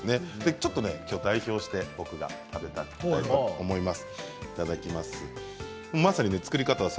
ちょっと代表して僕が食べたいと思います。